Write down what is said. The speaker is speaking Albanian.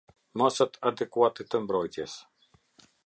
Masat adekuate të mbrojtjes.